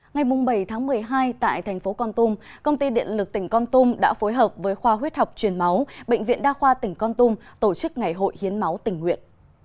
ngày bảy tháng một mươi hai tại thành phố con tum công ty điện lực tỉnh con tum đã phối hợp với khoa huyết học truyền máu bệnh viện đa khoa tỉnh con tum tổ chức ngày hội hiến máu tỉnh nguyện